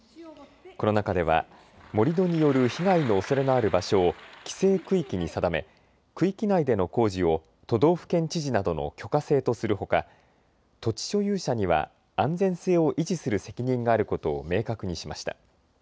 この中では盛り土による被害のおそれのある場所を規制区域に定め区域内での工事を都道府県知事などの許可制とするほか、土地所有者には安全性を維持する責任があることを明確にしました。